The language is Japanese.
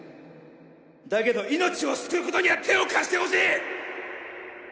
だけど命を救うことには手を貸してほしい！